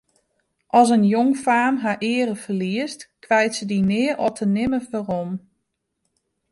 As in jongfaam har eare ferliest, krijt se dy nea ofte nimmer werom.